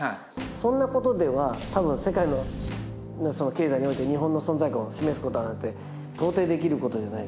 そんなことでは多分世界の経済において日本の存在感を示すことなんて到底できることじゃない。